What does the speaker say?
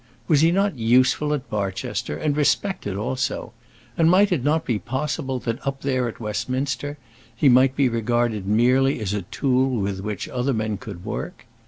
Was he not useful at Barchester, and respected also; and might it not be possible, that up there at Westminster, he might be regarded merely as a tool with which other men could work?